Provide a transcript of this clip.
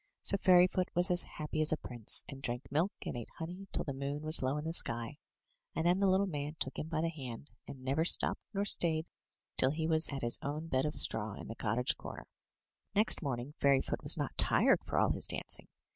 So Fairyfoot was as happy as a prince, and drank milk and ate honey till the moon was low in the sky, and then the little man took him by the hand, and never stopped nor stayed till he was at his own bed of straw in the cottage comer. Next morning Fairyfoot was not tired for all his dancing.